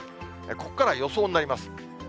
ここからは予想になります。